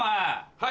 はい。